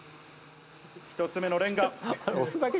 １つ目のレンガ。